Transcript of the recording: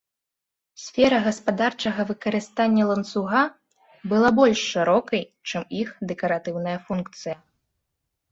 Сфера гаспадарчага выкарыстання ланцуга была больш шырокай, чым іх дэкаратыўная функцыя.